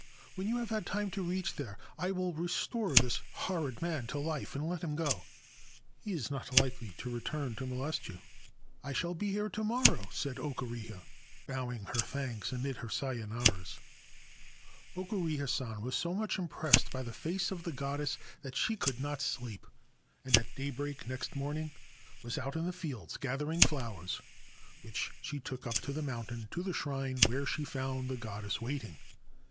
When you have had time to reach there I will restore this horrid man to life and let him go. He is not likely to return to molest you.' 4 1 shall be here to morrow/ said Okureha, bowing her thanks amid her c Sayonaras.' Okureha San was so much impressed by the face of the Goddess that she could not sleep, and at daybreak next morning was out in the fields gathering flowers, 1 Angel. 180 The Perpetual Life Giving Wine which she took up the mountain to the shrine, where she found the goddess waiting.